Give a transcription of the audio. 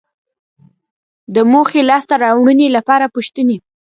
د موخې لاسته راوړنې لپاره پوښتنې